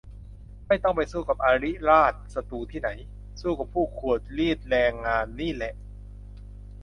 ไม่ต้องไปสู้กับอริราชศัตรูที่ไหน สู้กับพวกขูดรีดแรงงานนี่แหละ